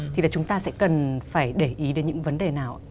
thì là chúng ta sẽ cần phải để ý đến những vấn đề nào ạ